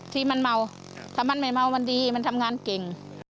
ที่มันเมาถ้ามันไม่เมามันดีมันทำงานเก่ง